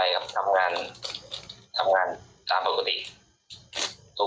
อุ้ยยังทำกำคาวอยู่